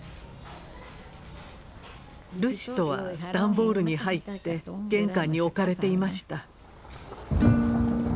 ルシトは段ボールに入って玄関に置かれていました。